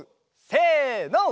せの！